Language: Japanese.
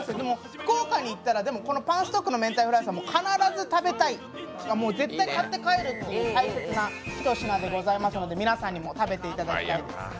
福岡に行ったらパンストックのめんたいフランスは必ず食べたい、絶対に買って帰るっていう大切なひと品ですので皆さんにも食べていただきたいです。